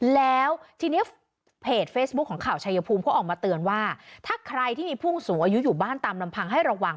แล้วทีนี้เพจเฟซบุ๊คของข่าวชายภูมิเขาออกมาเตือนว่าถ้าใครที่มีผู้สูงอายุอยู่บ้านตามลำพังให้ระวัง